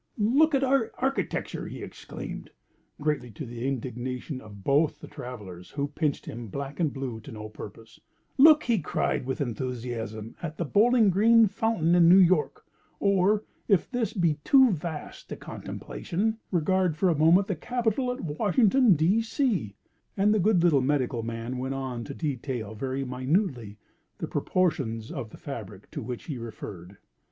"Look at our architecture!" he exclaimed, greatly to the indignation of both the travellers, who pinched him black and blue to no purpose. "Look," he cried with enthusiasm, "at the Bowling Green Fountain in New York! or if this be too vast a contemplation, regard for a moment the Capitol at Washington, D. C.!"—and the good little medical man went on to detail very minutely, the proportions of the fabric to which he referred.